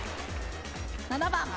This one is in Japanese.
７番。